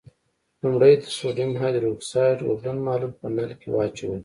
لومړی د سوډیم هایدرو اکسایډ اوبلن محلول په نل کې واچوئ.